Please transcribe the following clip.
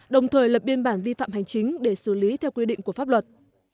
đồng thời lập biên bản vi phạm hành chính để xử lý theo quy định của pháp luật